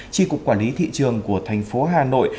tri cục quản lý thị trường của thành phố hà nội